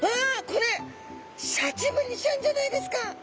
これシャチブリちゃんじゃないですか。